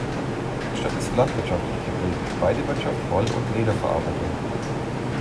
Die Stadt ist landwirtschaftlich geprägt: Weidewirtschaft, Woll- und Lederverarbeitung.